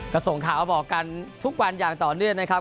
ก็ส่งข่าวมาบอกกันทุกวันอย่างต่อเนื่องนะครับ